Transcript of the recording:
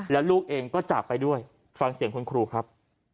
แล้วลูกเองก็จากไปด้วยฟังเสียงคุณครูครับ